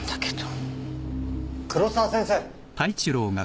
・黒沢先生！